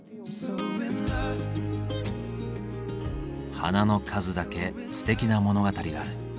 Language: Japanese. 花の数だけすてきな物語がある。